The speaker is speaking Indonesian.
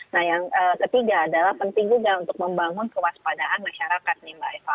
nah yang ketiga adalah penting juga untuk membangun kewaspadaan masyarakat nih mbak eva